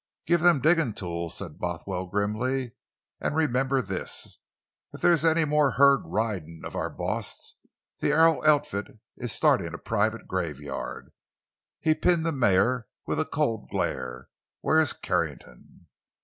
"Give them diggin' tools," said Bothwell grimly. "An' remember this—if there's any more herd ridin' of our boss the Arrow outfit is startin' a private graveyard!" He pinned the mayor with a cold glare: "Where's Carrington?"